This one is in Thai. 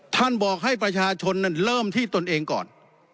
ท่านบอกให้ประชาชนเริ่มที่ตนเองก่อน